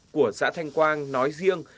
của xã thanh quang nói riêng